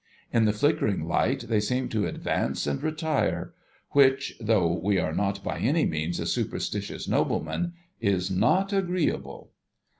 In the flickering light they seem to advance and retire : which, though we are not by any means a superstitious nobleman, is not agreeable.